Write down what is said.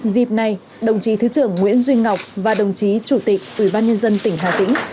dịp này đồng chí thứ trưởng nguyễn duy ngọc và đồng chí chủ tịch ủy ban nhân dân tỉnh hà tĩnh